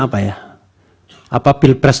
apa ya apa pilpres